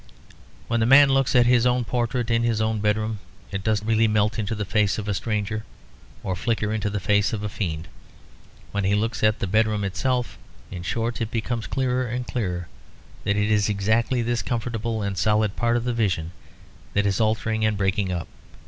When the man looks at his own portrait in his own bedroom, it does really melt into the face of a stranger or flicker into the face of a fiend. When he looks at the bedroom itself, in short, it becomes clearer and clearer that it is exactly this comfortable and solid part of the vision that is altering and breaking up.